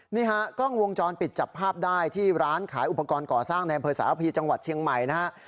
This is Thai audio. นี่ฮะกล้องวงจรปิดจับภาพได้ที่ร้านขายอุปกรณ์ก่อสร้างในอำเภอสารพีจังหวัดเชียงใหม่นะฮะ